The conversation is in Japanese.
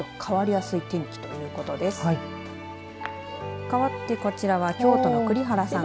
かわってこちらは京都の栗原さん。